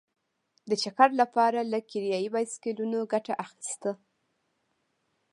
د چکر لپاره له کرايي بایسکلونو ګټه اخیسته.